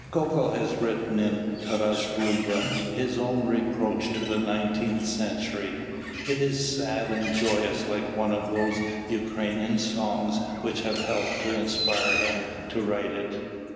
Gogol has written in "Taras Bulba" his own reproach to the nineteenth century. It is sad and joyous like one of those Ukrainian songs which have helped to inspire him to write it.